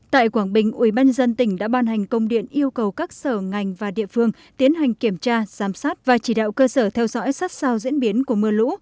tại quảng bình ubnd tỉnh đã ban hành công điện yêu cầu các sở ngành và địa phương tiến hành kiểm tra giám sát và chỉ đạo cơ sở theo dõi sát sao diễn biến của mưa lũ